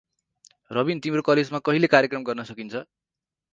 रबिन, तिम्रो कलेजमा कहिले कार्यक्रम गर्न सकिन्छ?